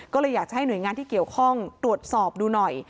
ก็เลยอยากจะให้หน่วยงานที่เกี่ยวข้องตรวจสอบดูหน่อย